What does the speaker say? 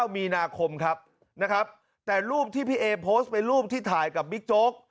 มีนาคมครับนะครับแต่รูปที่พี่เอโพสต์เป็นรูปที่ถ่ายกับบิ๊กโจ๊ก